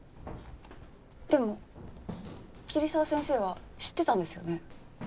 でも桐沢先生は知ってたんですよね？